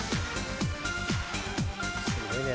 すごいね。